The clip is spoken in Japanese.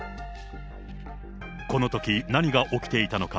このとき、何が起きていたのか。